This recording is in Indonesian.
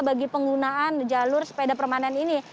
bagi penggunaan jalur sepeda permanen ini